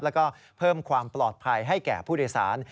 แล้วก็เพิ่มความปลอดภัยให้แก่ผู้โดยสาร